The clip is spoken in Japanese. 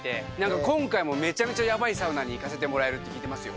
今回もめちゃめちゃやばいサウナに行かせてもらえるって聞いてますよ。